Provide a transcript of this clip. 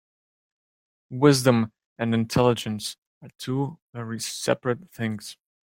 Wisdom and intelligence are two very seperate things.